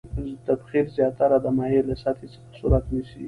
تبخیر زیاتره د مایع له سطحې څخه صورت نیسي.